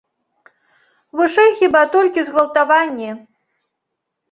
Вышэй, хіба, толькі згвалтаванні.